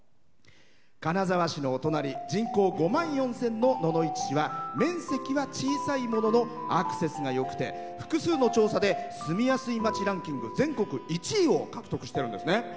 金沢市のお隣人口５万４０００の野々市市は面積は小さいもののアクセスがよくて複数の調査で住みやすい町ランキング全国１位を獲得してるんですね。